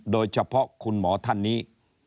โดยเฉพาะคุณหมอท่านนี้